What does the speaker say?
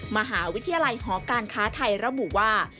มหาวิทยาลัยหอการค้าไทยระบุว่า